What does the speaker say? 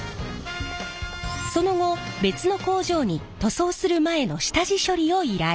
その後別の工場に塗装する前の下地処理を依頼。